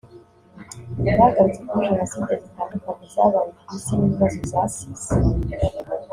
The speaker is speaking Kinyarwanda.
bagarutse kuri Jenoside zitandukanye zabaye ku Isi n’ibibazo zasize